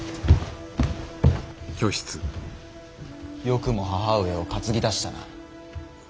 よくも母上を担ぎ出したな。